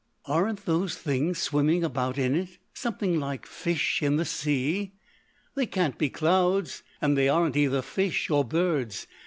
Aren't those things swimming about in it something like fish in the sea? They can't be clouds, and they aren't either fish or birds.